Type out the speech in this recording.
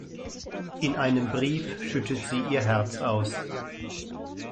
In einem Brief schüttet sie ihr Herz aus.